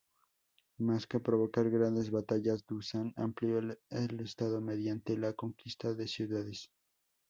Más que provocar grandes batallas, Dušan amplió el estado mediante la conquista de ciudades.